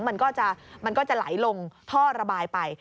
มันก็จะไหลลงท่อระบายไป